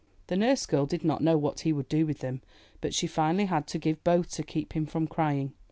The nurse girl did not know what he would do with them, but she finally had to give him both to keep him from crying.